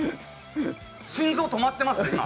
心臓止まってます、今。